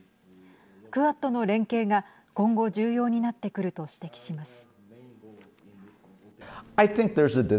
クアッドの連携が今後重要になってくると指摘します。